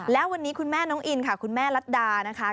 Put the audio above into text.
และวันนี้คุณแม่น้องอินค่ะคุณแม่รัฐดานะคะ